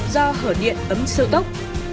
do hở điện ấm siêu tốc